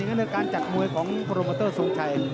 ในการจัดมวยของโปรโมเตอร์ทรงชัย